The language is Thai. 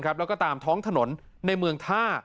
แล้วก็ตามท้องถนนในเมืองท่า